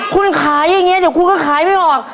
คุณขายอย่างนี้เดี๋ยวคุณก็ขายไม่ออก